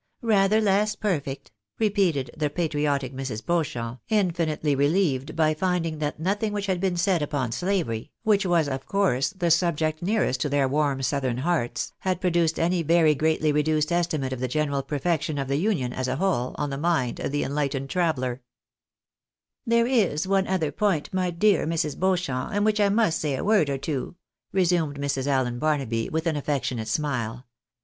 Rather less perfect,'''' repeated the patriotic Mrs. Beauchamp, in finitely relieved by finding that nothing which had been said upon slavery (which was of course the subject nearest to their warm southern hearts) had produced any very greatly reduced estimate of the general perfection of the Union, as a whole, on the mind of the enlightened traveller. pi^TABti: r.Esi*r,T of f kejudice. 167 " There is one other point, my dear Mrs. Beauchamp, on which I must say a word or two," resumed Mrs. Allen Barnaby, with an affectionate smile.